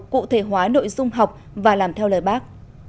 cụ thể hóa nội dung học và làm theo lời bác